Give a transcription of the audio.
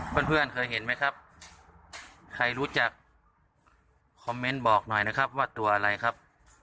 เพื่อนเพื่อนเคยเห็นไหมครับใครรู้จักคอมเมนต์บอกหน่อยนะครับว่าตัวอะไรครับ